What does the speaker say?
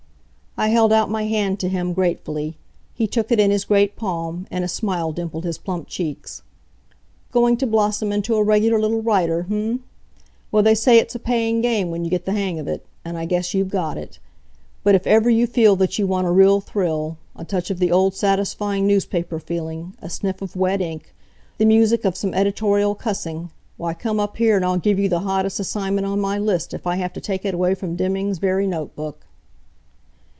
I held out my hand to him, gratefully. He took it in his great palm, and a smile dimpled his plump cheeks. "Going to blossom into a regular little writer, h'm? Well, they say it's a paying game when you get the hang of it. And I guess you've got it. But if ever you feel that you want a real thrill a touch of the old satisfying newspaper feeling a sniff of wet ink the music of some editorial cussing why come up here and I'll give you the hottest assignment on my list, if I have to take it away from Deming's very notebook."